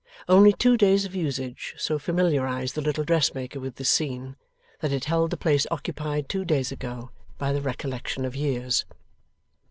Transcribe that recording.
Only two days of usage so familiarized the little dressmaker with this scene, that it held the place occupied two days ago by the recollections of years.